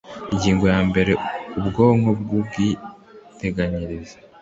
ingingo ya mbere ubwoko bw ubwiteganyirize